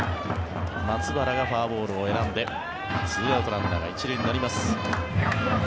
松原がフォアボールを選んで２アウトランナーが１塁になります。